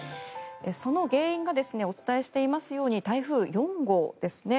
その原因がお伝えしていますように台風４号ですね。